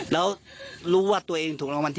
สุลุคซื้อเต้านั่ง